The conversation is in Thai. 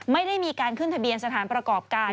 ไม่ได้มีการขึ้นทะเบียนสถานประกอบการ